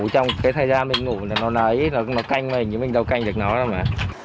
thời gian mình ngủ nó nấy nó canh mình nhưng mình đâu canh được nó đâu mà